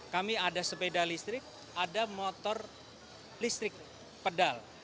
kami ada sepeda listrik ada motor listrik pedal